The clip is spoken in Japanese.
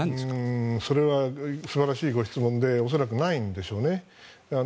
それは素晴らしいご質問で恐らくないんでしょうね。